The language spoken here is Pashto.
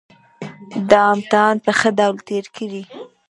دا امتحان په ښه ډول تېر کړئ